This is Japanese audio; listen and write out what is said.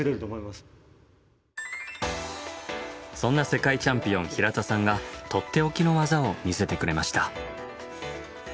そんな世界チャンピオン平田さんがとっておきの技を見せてくれました。